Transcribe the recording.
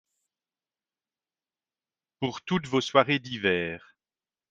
Pour toutes vos soirées d’hiver !